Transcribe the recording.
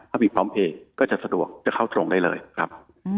ถ้ามีพร้อมเพลงก็จะสะดวกจะเข้าตรงได้เลยครับ